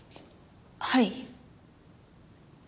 はい。